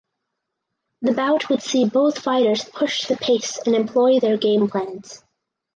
The bout would see both fighters push the pace and employ their game plans.